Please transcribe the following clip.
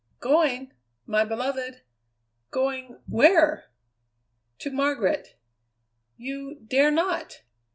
"Going? My beloved going where?" "To Margaret." "You dare not!